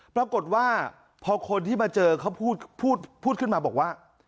ปรากฏว่าพอคนที่มาเจอเขาพูดขึ้นมาบอกว่า